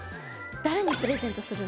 誰にプレゼントするの？